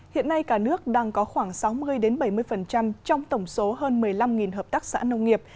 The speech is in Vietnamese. hiện nay cả nước đang có khoảng sáu mươi bảy mươi trong tổng số hơn một mươi năm hợp tác xã nông nghiệp